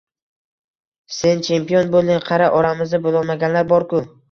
Sen champion bo‘lding, qara, oramizda bo‘lolmaganlar borku